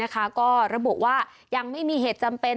ก็ระบุว่ายังไม่มีเหตุจำเป็น